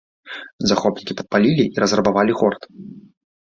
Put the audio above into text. Захопнікі падпалілі і разрабавалі горад.